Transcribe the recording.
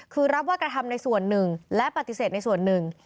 คือรับว่ากระทำในส่วนหนึ่งและปฏิเสธในส่วนหนึ่ง